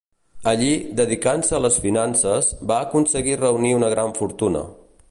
Allí, dedicant-se a les finances, va aconseguir reunir una gran fortuna.